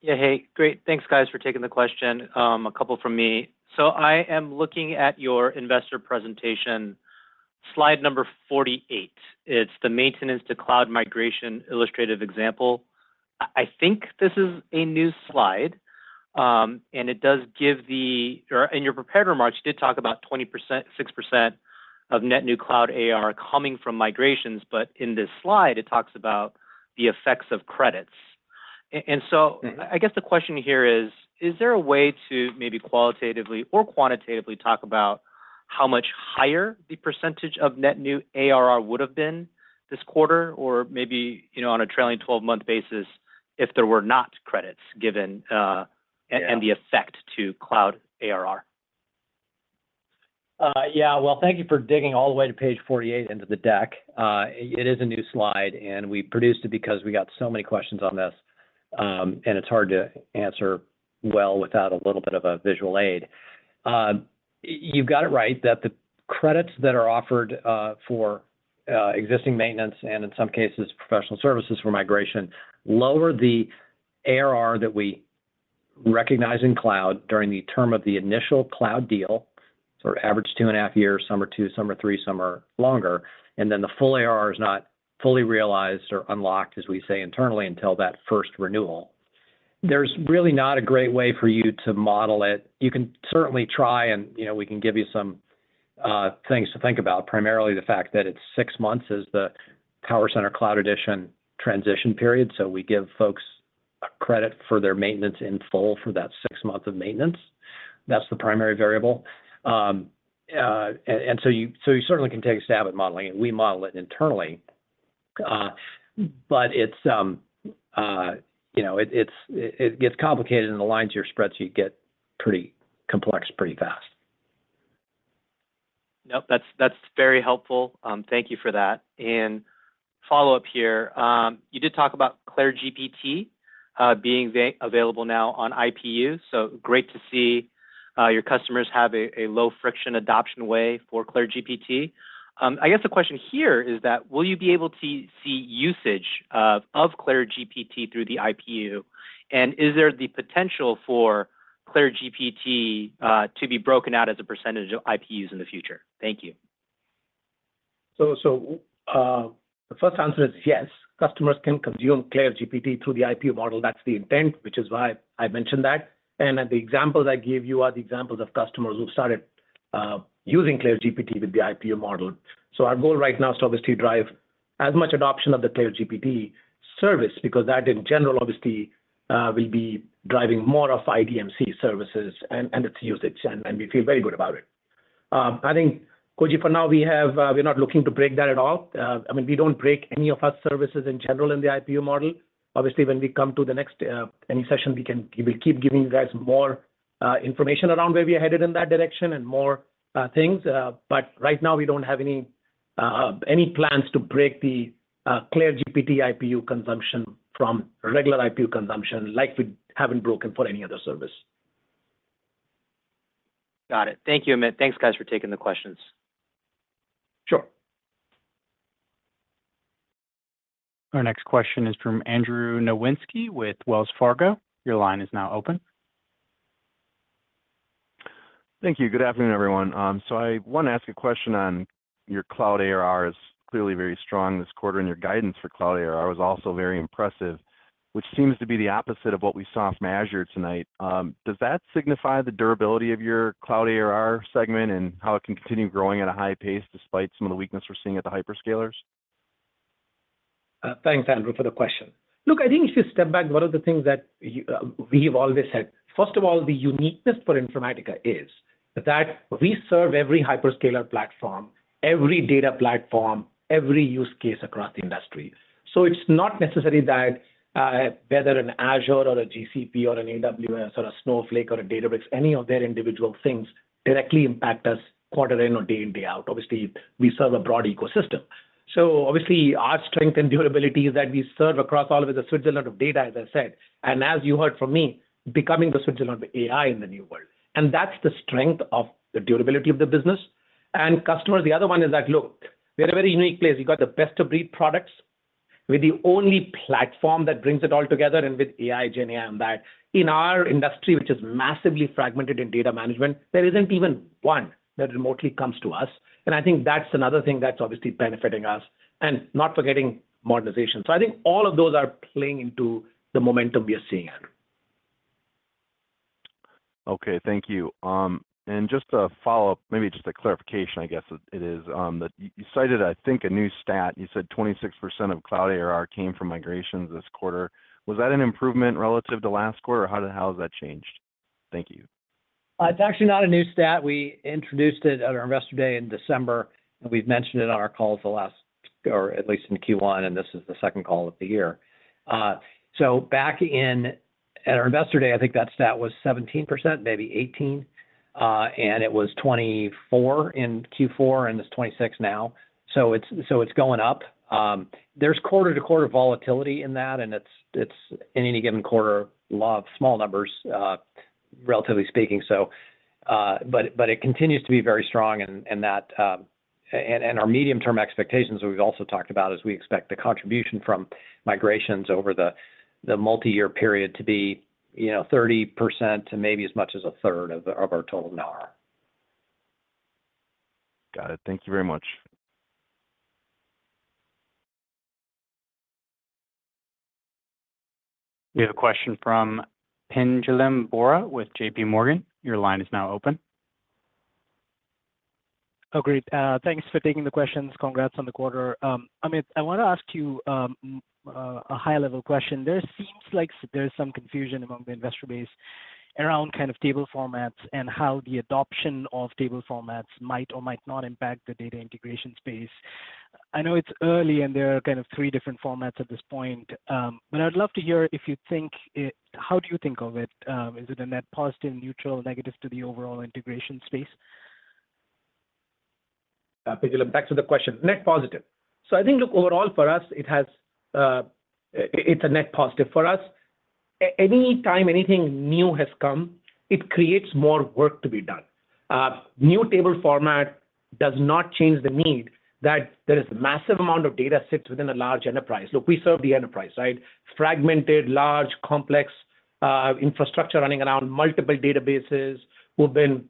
Yeah, hey. Great. Thanks, guys, for taking the question. A couple from me. So I am looking at your investor presentation, slide number 48. It's the maintenance to cloud migration illustrative example. I think this is a new slide, and it does give, and your prepared remarks, you did talk about 26% of net new cloud ARR coming from migrations, but in this slide, it talks about the effects of credits. And so I guess the question here is, is there a way to maybe qualitatively or quantitatively talk about how much higher the percentage of net new ARR would have been this quarter or maybe on a trailing 12-month basis if there were not credits given and the effect to cloud ARR? Yeah. Well, thank you for digging all the way to page 48 into the deck. It is a new slide, and we produced it because we got so many questions on this, and it's hard to answer well without a little bit of a visual aid. You've got it right that the credits that are offered for existing maintenance and, in some cases, professional services for migration lower the ARR that we recognize in cloud during the term of the initial cloud deal, sort of average 2.5 years, some are two, some are three, some longer, and then the full ARR is not fully realized or unlocked, as we say internally, until that first renewal. There's really not a great way for you to model it. You can certainly try, and we can give you some things to think about, primarily the fact that it's six months as the PowerCenter Cloud Edition transition period. So we give folks a credit for their maintenance in full for that six months of maintenance. That's the primary variable. And so you certainly can take a stab at modeling it. We model it internally, but it gets complicated, and the lines of your spreadsheet get pretty complex pretty fast. Nope. That's very helpful. Thank you for that. And follow-up here. You did talk about CLAIRE GPT being available now on IPU. So great to see your customers have a low-friction adoption way for CLAIRE GPT. I guess the question here is that, will you be able to see usage of CLAIRE GPT through the IPU? And is there the potential for CLAIRE GPT to be broken out as a percentage of IPUs in the future? Thank you. So the first answer is yes. Customers can consume CLAIRE GPT through the IPU model. That's the intent, which is why I mentioned that. And the examples I gave you are the examples of customers who started using CLAIRE GPT with the IPU model. So our goal right now is to obviously drive as much adoption of the CLAIRE GPT service because that, in general, obviously will be driving more of IDMC services and its usage. And we feel very good about it. I think, Koji, for now, we're not looking to break that at all. I mean, we don't break any of our services in general in the IPU model. Obviously, when we come to the next any session, we will keep giving you guys more information around where we are headed in that direction and more things. But right now, we don't have any plans to break the CLAIRE GPT IPU consumption from regular IPU consumption like we haven't broken for any other service. Got it. Thank you. And thanks, guys, for taking the questions. Sure. Our next question is from Andrew Nowinski with Wells Fargo. Your line is now open. Thank you. Good afternoon, everyone. So I want to ask a question on your cloud ARR is clearly very strong this quarter, and your guidance for cloud ARR is also very impressive, which seems to be the opposite of what we saw from Azure tonight. Does that signify the durability of your cloud ARR segment and how it can continue growing at a high pace despite some of the weakness we're seeing at the hyperscalers? Thanks, Andrew, for the question. Look, I think if you step back, one of the things that we have always said, first of all, the uniqueness for Informatica is that we serve every hyperscaler platform, every data platform, every use case across the industry. So, it's not necessary that whether an Azure or a GCP or an AWS or a Snowflake or a Databricks, any of their individual things directly impact us quarter in or day in, day out. Obviously, we serve a broad ecosystem. So obviously, our strength and durability is that we serve across all of the Switzerland of data, as I said, and as you heard from me, becoming the Switzerland of AI in the new world. And that's the strength of the durability of the business. And customers, the other one is that, look, we're a very unique place. We've got the best-of-breed products with the only platform that brings it all together and with AI, GenAI, and that. In our industry, which is massively fragmented in data management, there isn't even one that remotely comes to us. And I think that's another thing that's obviously benefiting us and not forgetting modernization. So I think all of those are playing into the momentum we are seeing at. Okay. Thank you. And just a follow-up, maybe just a clarification, I guess it is that you cited, I think, a new stat. You said 26% of cloud ARR came from migrations this quarter. Was that an improvement relative to last quarter? How has that changed? Thank you. It's actually not a new stat. We introduced it at our investor day in December, and we've mentioned it on our calls the last, or at least in Q1, and this is the second call of the year. So back in at our investor day, I think that stat was 17%, maybe 18, and it was 24 in Q4, and it's 26 now. So it's going up. There's quarter-to-quarter volatility in that, and it's in any given quarter of small numbers, relatively speaking. But it continues to be very strong. And our medium-term expectations, we've also talked about, is we expect the contribution from migrations over the multi-year period to be 30% to maybe as much as a third of our total now. Got it. Thank you very much. We have a question from Pinjalim Bora with J.P. Morgan. Your line is now open. Oh, great. Thanks for taking the questions. Congrats on the quarter. I mean, I want to ask you a high-level question. There seems like there's some confusion among the investor base around kind of table formats and how the adoption of table formats might or might not impact the data integration space. I know it's early, and there are kind of three different formats at this point, but I'd love to hear if you think how do you think of it? Is it a net positive, neutral, negative to the overall integration space? Back to the question. Net positive. So I think, look, overall, for us, it's a net positive for us. Anytime anything new has come, it creates more work to be done. New table format does not change the need that there is a massive amount of data sits within a large enterprise. Look, we serve the enterprise, right? Fragmented, large, complex infrastructure running around multiple databases within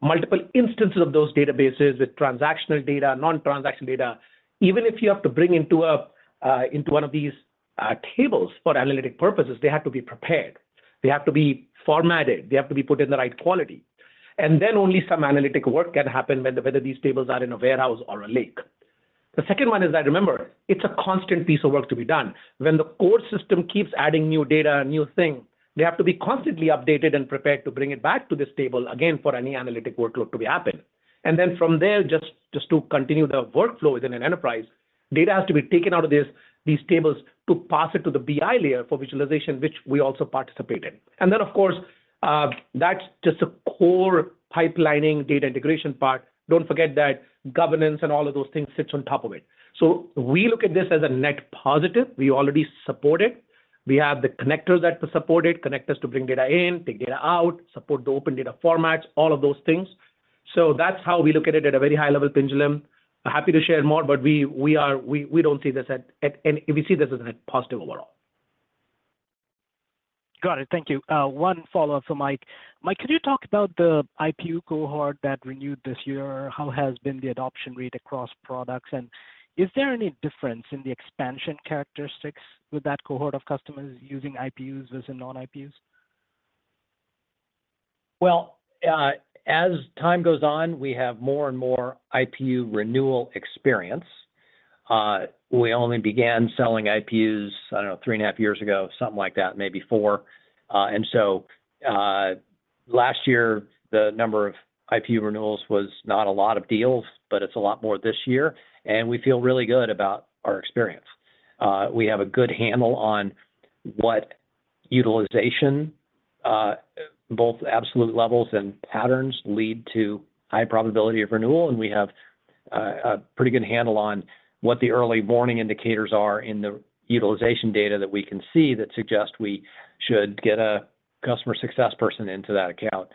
multiple instances of those databases with transactional data, non-transactional data. Even if you have to bring into one of these tables for analytic purposes, they have to be prepared. They have to be formatted. They have to be put in the right quality. And then only some analytic work can happen whether these tables are in a warehouse or a lake. The second one is that, remember, it's a constant piece of work to be done. When the core system keeps adding new data and new things, they have to be constantly updated and prepared to bring it back to this table again for any analytic workload to be happened. And then from there, just to continue the workflow within an enterprise, data has to be taken out of these tables to pass it to the BI layer for visualization, which we also participate in. And then, of course, that's just a core pipelining data integration part. Don't forget that governance and all of those things sits on top of it. So we look at this as a net positive. We already support it. We have the connectors that support it, connectors to bring data in, take data out, support the open data formats, all of those things. So that's how we look at it at a very high-level, Pinjalim. Happy to share more, but we don't see this at any we see this as a net positive overall. Got it. Thank you. One follow-up for Mike. Mike, could you talk about the IPU cohort that renewed this year? How has been the adoption rate across products? And is there any difference in the expansion characteristics with that cohort of customers using IPUs versus non-IPUs? Well, as time goes on, we have more and more IPU renewal experience. We only began selling IPUs, I don't know, 3.5 years ago, something like that, maybe 4. And so last year, the number of IPU renewals was not a lot of deals, but it's a lot more this year. And we feel really good about our experience. We have a good handle on what utilization, both absolute levels and patterns, lead to high probability of renewal. And we have a pretty good handle on what the early warning indicators are in the utilization data that we can see that suggest we should get a customer success person into that account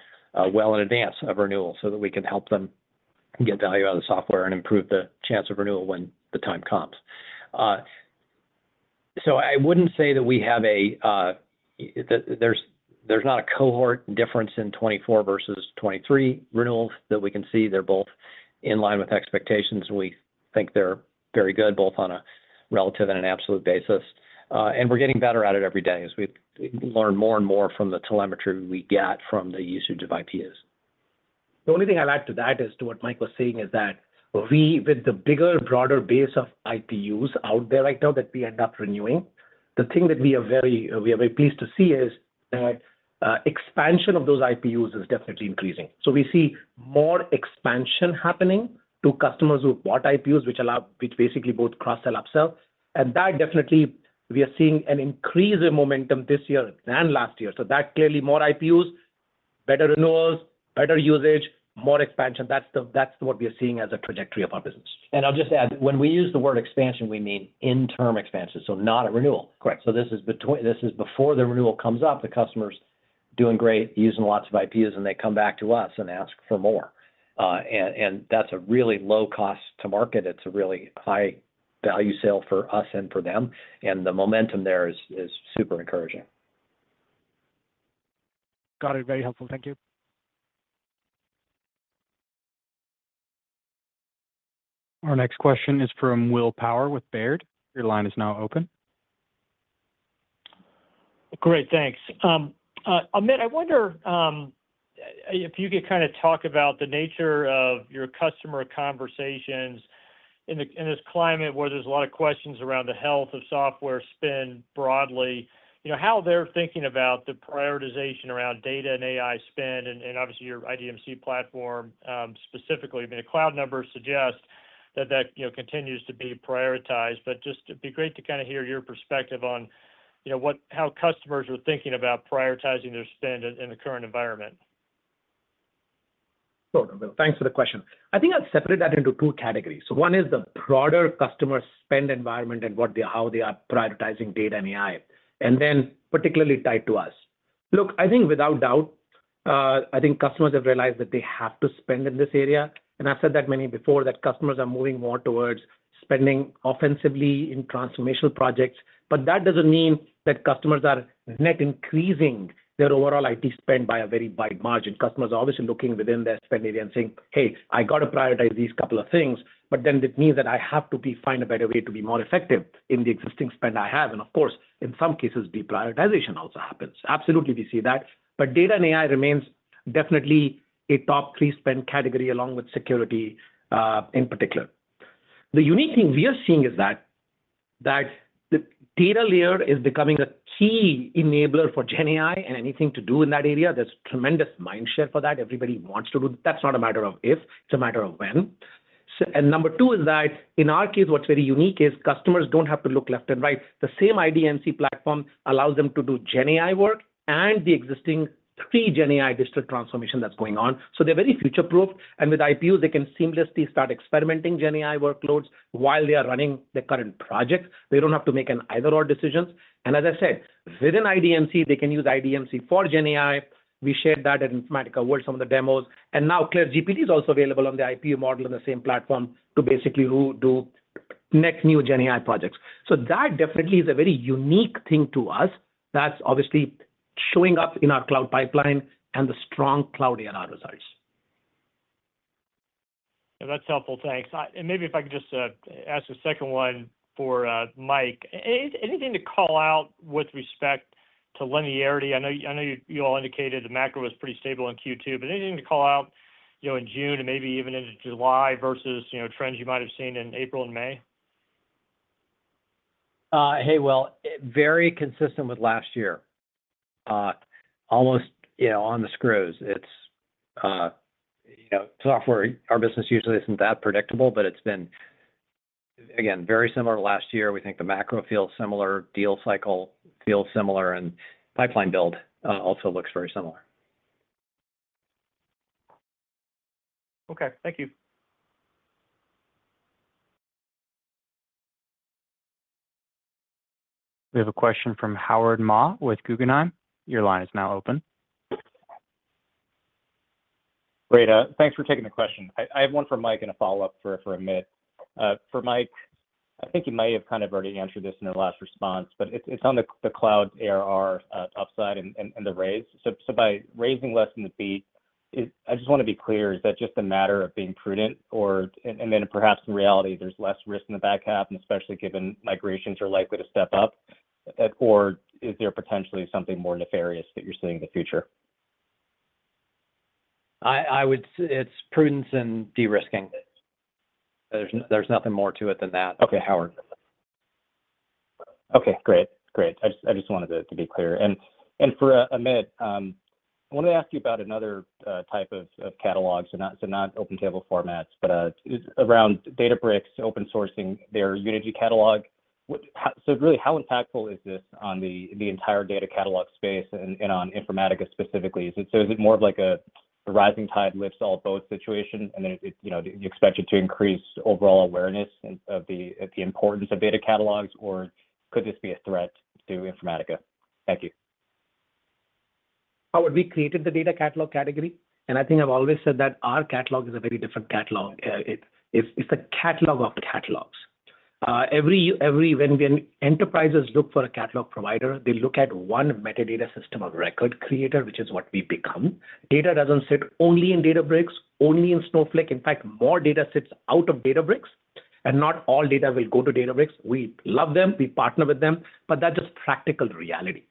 well in advance of renewal so that we can help them get value out of the software and improve the chance of renewal when the time comes. So I wouldn't say that there's not a cohort difference in 2024 versus 2023 renewals that we can see. They're both in line with expectations. We think they're very good, both on a relative and an absolute basis. We're getting better at it every day as we learn more and more from the telemetry we get from the usage of IPUs. The only thing I'll add to that is to what Mike was saying is that we, with the bigger, broader base of IPUs out there right now that we end up renewing, the thing that we are very pleased to see is that expansion of those IPUs is definitely increasing. We see more expansion happening to customers who bought IPUs, which basically both cross-sell upsell. That definitely, we are seeing an increase in momentum this year and last year. That clearly more IPUs, better renewals, better usage, more expansion. That's what we are seeing as a trajectory of our business. And I'll just add, when we use the word expansion, we mean interim expansion, so not a renewal. Correct. So this is before the renewal comes up, the customer's doing great, using lots of IPUs, and they come back to us and ask for more. And that's a really low cost to market. It's a really high-value sale for us and for them. And the momentum there is super encouraging. Got it. Very helpful. Thank you. Our next question is from Will Power with Baird. Your line is now open. Great. Thanks. Amit, I wonder if you could kind of talk about the nature of your customer conversations in this climate where there's a lot of questions around the health of software spend broadly, how they're thinking about the prioritization around data and AI spend, and obviously your IDMC platform specifically. I mean, the cloud numbers suggest that that continues to be prioritized. But just it'd be great to kind of hear your perspective on how customers are thinking about prioritizing their spend in the current environment. Sure. Thanks for the question. I think I'll separate that into two categories. So one is the broader customer spend environment and how they are prioritizing data and AI, and then particularly tied to us. Look, I think without doubt, I think customers have realized that they have to spend in this area. And I've said that many before that customers are moving more towards spending offensively in transformational projects. But that doesn't mean that customers are net increasing their overall IT spend by a very wide margin. Customers are obviously looking within their spend area and saying, "Hey, I got to prioritize these couple of things," but then it means that I have to find a better way to be more effective in the existing spend I have. And of course, in some cases, deprioritization also happens. Absolutely, we see that. But data and AI remains definitely a top three spend category along with security in particular. The unique thing we are seeing is that the data layer is becoming a key enabler for GenAI and anything to do in that area. There's tremendous mindshare for that. Everybody wants to do that. That's not a matter of if. It's a matter of when. And number two is that, in our case, what's very unique is customers don't have to look left and right. The same IDMC platform allows them to do GenAI work and the existing pre-GenAI digital transformation that's going on. So they're very future-proof. And with IPUs, they can seamlessly start experimenting GenAI workloads while they are running the current projects. They don't have to make an either-or decision. And as I said, within IDMC, they can use IDMC for GenAI. We shared that at Informatica World, some of the demos. And now CLAIRE GPT is also available on the IPU model on the same platform to basically do net new GenAI projects. So that definitely is a very unique thing to us that's obviously showing up in our cloud pipeline and the strong cloud ARR results. That's helpful. Thanks. And maybe if I could just ask a second one for Mike. Anything to call out with respect to linearity? I know you all indicated the macro was pretty stable in Q2, but anything to call out in June and maybe even into July versus trends you might have seen in April and May? Hey, well, very consistent with last year. Almost on the screws. Software, our business usually isn't that predictable, but it's been, again, very similar to last year. We think the macro feels similar, deal cycle feels similar, and pipeline build also looks very similar. Okay. Thank you. We have a question from Howard Ma with Guggenheim. Your line is now open. Great. Thanks for taking the question. I have one for Mike and a follow-up for Amit. For Mike, I think you might have kind of already answered this in the last response, but it's on the cloud ARR upside and the raise. So by raising less than a beat, I just want to be clear, is that just a matter of being prudent? And then perhaps in reality, there's less risk in the back half, and especially given migrations are likely to step up, or is there potentially something more nefarious that you're seeing in the future? It's prudence and de-risking. There's nothing more to it than that. Okay. Howard. Okay. Great. Great. I just wanted to be clear. And for Amit, I wanted to ask you about another type of catalog, so not open table formats, but around Databricks open sourcing their Unity Catalog. So really, how impactful is this on the entire data catalog space and on Informatica specifically? So is it more of like a rising tide lifts all boats situation, and then you expect it to increase overall awareness of the importance of data catalogs, or could this be a threat to Informatica? Thank you. We created the data catalog category. And I think I've always said that our catalog is a very different catalog. It's the catalog of catalogs. When enterprises look for a catalog provider, they look at one metadata system of record creator, which is what we become. Data doesn't sit only in Databricks, only in Snowflake. In fact, more data sits out of Databricks, and not all data will go to Databricks. We love them. We partner with them. But that's just practical reality.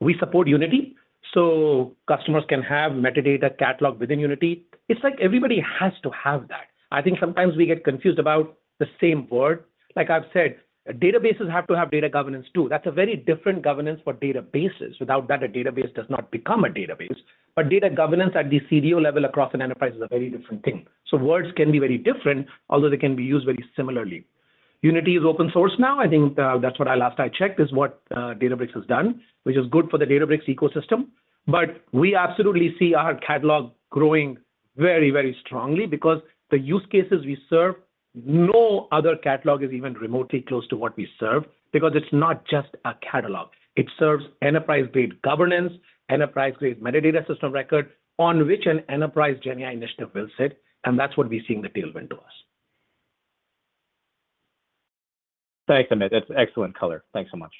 We support Unity, so customers can have metadata catalog within Unity. It's like everybody has to have that. I think sometimes we get confused about the same word. Like I've said, databases have to have data governance too. That's a very different governance for databases. Without that, a database does not become a database. But data governance at the CDO level across an enterprise is a very different thing. So words can be very different, although they can be used very similarly. Unity is open source now. I think that's what I last checked is what Databricks has done, which is good for the Databricks ecosystem. But we absolutely see our catalog growing very, very strongly because the use cases we serve, no other catalog is even remotely close to what we serve because it's not just a catalog. It serves enterprise-grade governance, enterprise-grade metadata system of record on which an enterprise GenAI initiative will sit. And that's what we see in the tailwind to us. Thanks, Amit. That's excellent color. Thanks so much.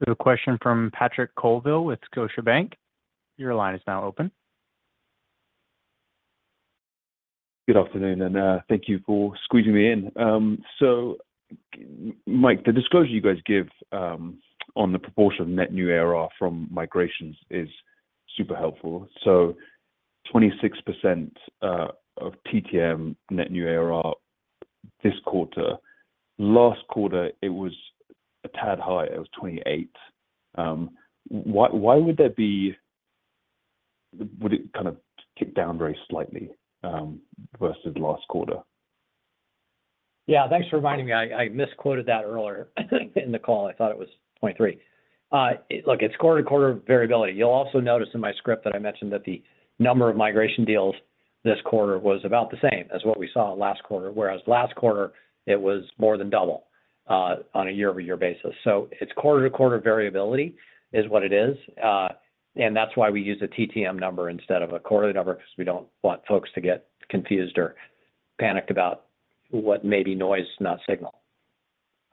We have a question from Patrick Colville with Scotiabank. Your line is now open. Good afternoon, and thank you for squeezing me in. So Mike, the disclosure you guys give on the proportion of net new ARR from migrations is super helpful. So 26% of TTM net new ARR this quarter. Last quarter, it was a tad higher. It was 28. Why would that be? Would it kind of tick down very slightly versus last quarter? Yeah. Thanks for reminding me. I misquoted that earlier in the call. I thought it was 0.3. Look, it's quarter-to-quarter variability. You'll also notice in my script that I mentioned that the number of migration deals this quarter was about the same as what we saw last quarter, whereas last quarter, it was more than double on a year-over-year basis. So it's quarter-to-quarter variability is what it is. And that's why we use a TTM number instead of a quarterly number because we don't want folks to get confused or panicked about what may be noise, not signal.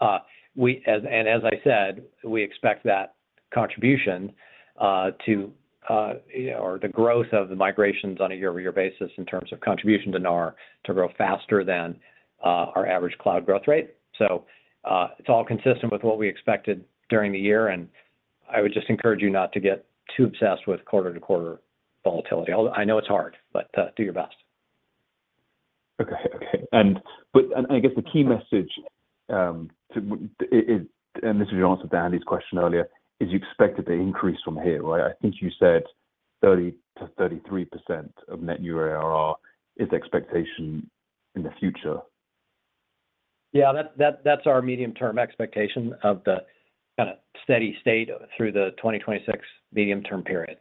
And as I said, we expect that contribution to or the growth of the migrations on a year-over-year basis in terms of contribution to NAR to grow faster than our average cloud growth rate. So it's all consistent with what we expected during the year. And I would just encourage you not to get too obsessed with quarter-to-quarter volatility. I know it's hard, but do your best. Okay. Okay. And I guess the key message, and this is your answer to Andy's question earlier, is you expect it to increase from here, right? I think you said 30%-33% of net new ARR is the expectation in the future. Yeah. That's our medium-term expectation of the kind of steady state through the 2026 medium-term period.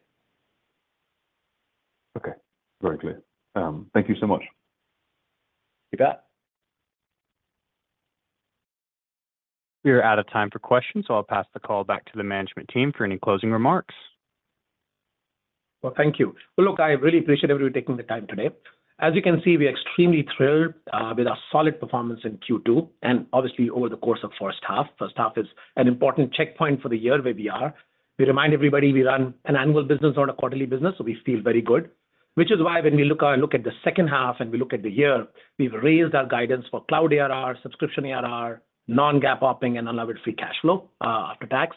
Okay. Very clear. Thank you so much. You bet. We are out of time for questions, so I'll pass the call back to the management team for any closing remarks. Well, thank you. Well, look, I really appreciate everybody taking the time today. As you can see, we are extremely thrilled with our solid performance in Q2 and obviously over the course of first half. First half is an important checkpoint for the year where we are. We remind everybody we run an annual business, not a quarterly business, so we feel very good, which is why when we look at the second half and we look at the year, we've raised our guidance for cloud ARR, subscription ARR, non-GAAP operating, and unlevered free cash flow after tax.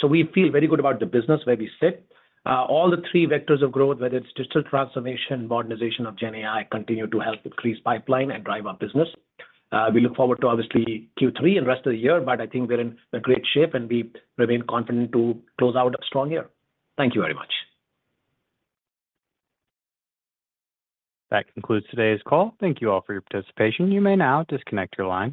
So we feel very good about the business where we sit. All the three vectors of growth, whether it's digital transformation, modernization of GenAI, continue to help increase pipeline and drive our business. We look forward to obviously Q3 and rest of the year, but I think we're in great shape and we remain confident to close out a strong year. Thank you very much. That concludes today's call. Thank you all for your participation. You may now disconnect your line.